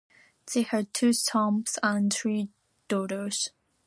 They had two sons and three daughters.